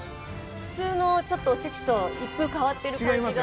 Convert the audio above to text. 普通のちょっとおせちと一風変わってる感じが。